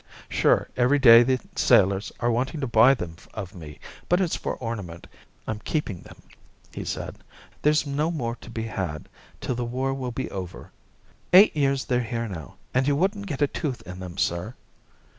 "Sure, every day the sailors are wanting to buy them of me, but it's for ornament I'm keeping them," he said. "There's no more to be had till the war will be over. Eight years they're here now, and you wouldn't get a tooth in them, sir!"